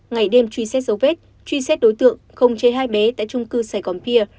ngày đêm truy xét dấu vết truy xét đối tượng không chế hai bé tại trung cư sài gòn pia